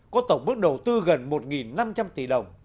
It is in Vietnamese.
có tổng bức đầu tư gần một năm trăm linh tỷ đồng